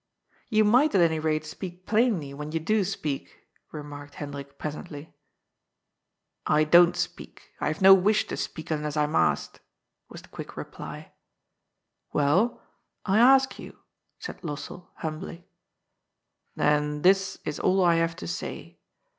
^ Ton might, at any rate, speak plainly when yon do speak," remarked Hendrik presently. *^ I don't speak. I have no wish to speak nfdess I'm asked," was the quick reply. Well, I ask you," said Lossell humbly. *^ Then this is all I have to say.